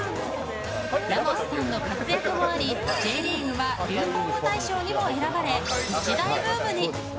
ラモスさんの活躍もありＪリーグは流行語大賞にも選ばれ一大ブームに。